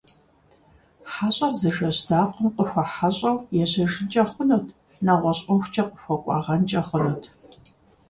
Хьэщӏэр зы жэщ закъуэм къыхуэхьэщӏэу ежьэжынкӏэ хъунут, нэгъуэщӏ ӏуэхукӏэ къыхуэкӏуагъэнкӏэ хъунут.